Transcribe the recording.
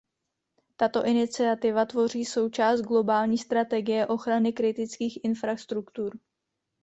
Tato iniciativa tvoří součást globální strategie ochrany kritických infrastruktur.